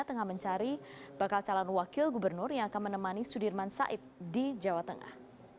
tengah mencari bakal calon wakil gubernur yang akan menemani sudirman said di jawa tengah